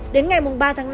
đến ngày ba tháng năm